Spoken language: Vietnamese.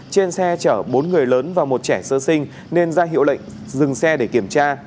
trên xe chở bốn người lớn và một trẻ sơ sinh nên ra hiệu lệnh dừng xe để kiểm tra